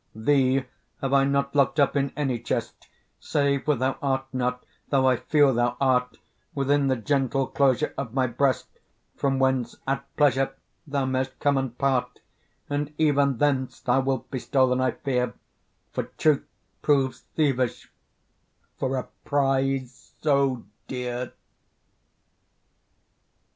Thee have I not lock'd up in any chest, Save where thou art not, though I feel thou art, Within the gentle closure of my breast, From whence at pleasure thou mayst come and part; And even thence thou wilt be stol'n I fear, For truth proves thievish for a prize so dear.